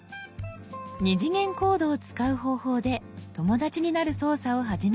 ２次元コードを使う方法で「友だち」になる操作を始めました。